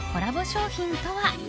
商品とは？